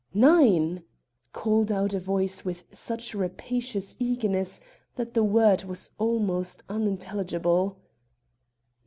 "Nine!" called out a voice with such rapacious eagerness that the word was almost unintelligible.